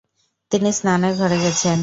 তিনি স্নানের ঘরে গেছেন।